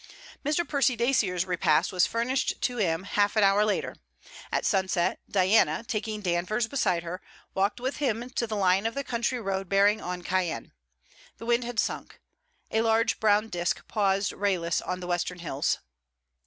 Mr. Percy Dacier's repast was furnished to him half an hour later. At sunset Diana, taking Danvers beside her, walked with him to the line of the country road bearing on Caen. The wind had sunk. A large brown disk paused rayless on the western hills.